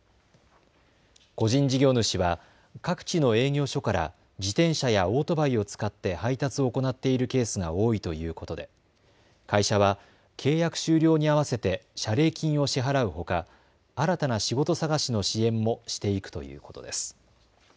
個人事業主は各地の営業所から自転車やオートバイを使って配達を行っているケースが多いということで会社は契約終了に合わせて謝礼金を支払うほか新たな仕事探しの支援もしていくということです。